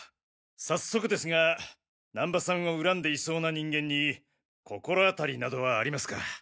早速ですが難波さんを恨んでいそうな人間に心当たりなどはありますか？